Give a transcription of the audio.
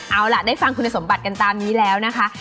เอาล่ะได้ฟังคุณสมบัติกันตามนี้แล้วนะคะ